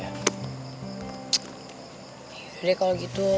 yaudah deh kalau gitu